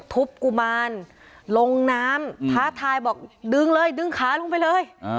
กุมารลงน้ำท้าทายบอกดึงเลยดึงขาลงไปเลย